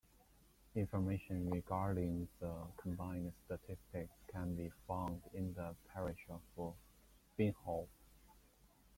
Information regarding the combined statistics can be found in the parish of Finghall.